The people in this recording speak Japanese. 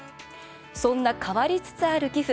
そんな変わりつつある寄付